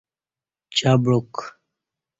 چہ بُعک